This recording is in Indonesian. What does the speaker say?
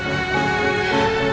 kasian sekali elsa